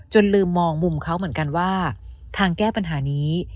ลืมมองมุมเขาเหมือนกันว่าทางแก้ปัญหานี้